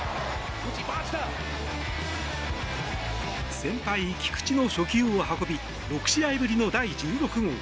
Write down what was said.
先輩・菊池の初球を運び６試合ぶりの第１６号。